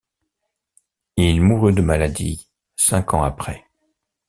Il mourut de maladie cinq ans après.